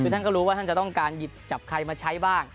คือท่านก็รู้ว่าท่านจะต้องการหยิบจับใครมาใช้บ้าง